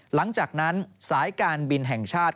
หลังจากนั้นสายการบินแห่งชาติ